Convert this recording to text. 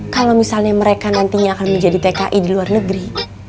kalau misalnya mereka nantinya akan menjadi tki di luar negeri